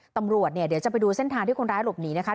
ตำรวจเนี่ยเดี๋ยวจะไปดูเส้นทางที่คนร้ายหลบหนีนะคะ